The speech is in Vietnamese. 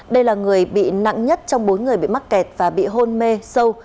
đây là người bị nặng nhất trong bốn người bị mắc kẹt và bị hôn mê sâu